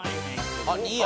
あっ「２」や。